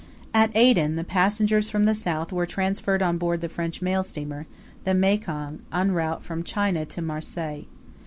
At Aden, the passengers from the south were transferred on board the French mail steamer, the 'Mei kong,' en route from China to Marseilles.